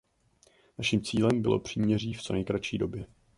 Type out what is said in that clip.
Naším cílem bylo příměří v co nejkratší době.